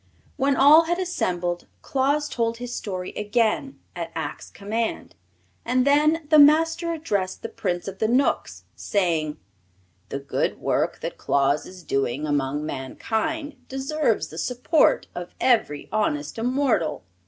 When all had assembled Claus told his story again, at Ak's command, and then the Master addressed the Prince of the Knooks, saying: "The good work that Claus is doing among mankind deserves the support of every honest immortal.